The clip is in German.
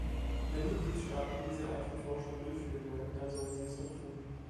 Wenn Mitgliedstaaten diese Art von Forschung durchführen wollen, dann sollen sie es doch tun.